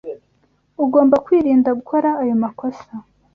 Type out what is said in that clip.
Ugomba kwirinda gukora ayo makosa.